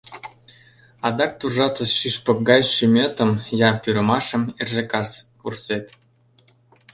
Адак туржатыс шӱшпык гай шӱметым я пӱрымашым эрже-кас вурсет.